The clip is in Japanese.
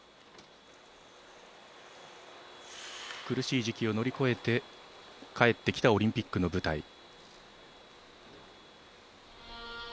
苦しい時期を乗り越えて帰ってきたオリンピックの舞台。